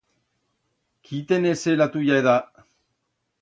Quí tenese la tuya edat!